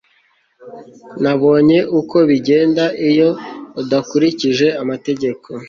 Nabonye uko bigenda iyo udakurikije amategeko